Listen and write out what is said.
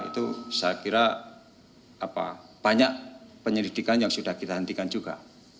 itu saya kira banyak penyelidikan yang sudah kita hentikan juga